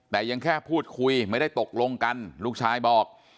แต่ยังแค่พูดคุยไม่ได้ตกลงกันลูกชายบอก